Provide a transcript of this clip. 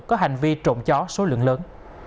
có hành vi trộm chó số lượng lớn